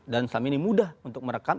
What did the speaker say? selama ini mudah untuk merekam